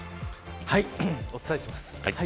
お伝えします。